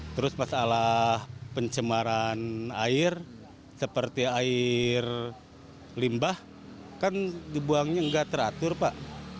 terus masalah pencemaran air seperti air limbah kan dibuangnya nggak teratur pak